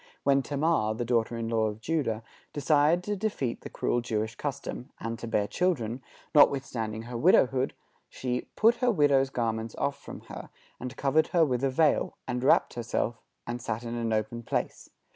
When Tamar, the daughter in law of Judah, desired to defeat the cruel Jewish custom, and to bear children, notwithstanding her widowhood, she "put her widow's garments off from her, and covered her with a veil, and wrapped herself, and sat in an open place....